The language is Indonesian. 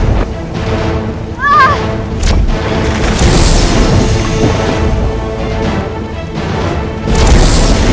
kenapa dorongan hatiku begitu kuat untuk mendekati pedang ini